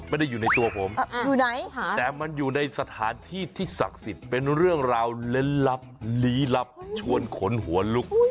ไม่ได้อยู่ในตัวผมอยู่ไหนแต่มันอยู่ในสถานที่ที่ศักดิ์สิทธิ์เป็นเรื่องราวเล่นลับลี้ลับชวนขนหัวลุก